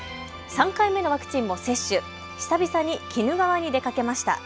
３回目のワクチンを接種、久々に鬼怒川に出かけました。